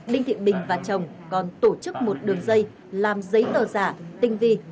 đinh thị bình và chồng còn tổ chức một đường dây làm giấy tờ giả tinh vi